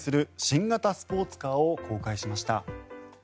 新型スポーツカーを公開しました。